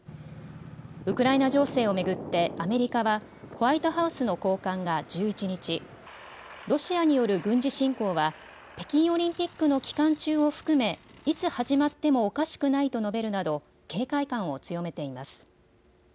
ウクライナ情勢を巡ってアメリカはホワイトハウスの高官が１１日、ロシアによる軍事侵攻は北京オリンピックの期間中を含めいつ始まってもおかしくないと述べるなど警戒感を強めています。